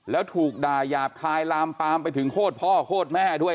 แล้วถูกด่ายาบคายลามปามไปถึงโคตรพ่อโคตรแม่ด้วย